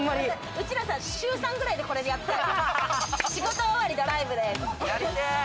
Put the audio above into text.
うちらさ、週３くらいこれでやってる、仕事終わりのドライブで。